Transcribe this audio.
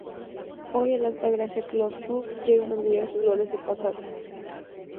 Hoy, el Alta Gracia Golf Club, lleva el orgullo de su glorioso pasado.